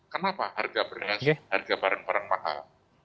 kenapa harga barang mahal